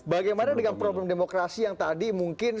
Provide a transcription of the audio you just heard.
bagaimana dengan problem demokrasi yang tadi mungkin